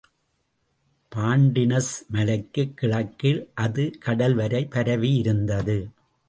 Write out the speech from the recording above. பான்டினஸ் மலைக்குக் கிழக்கில் அது கடல்வரை பரவியிருந்தது.